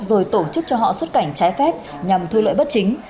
rồi tổ chức cho họ xuất cảnh trái phép nhằm thu lợi bất chính